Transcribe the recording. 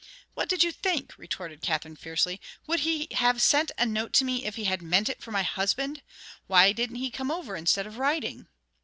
"What did you think?" retorted Katherine, fiercely. "Would he have sent a note to me if he had meant it for my husband? Why didn't he come over instead of writing?"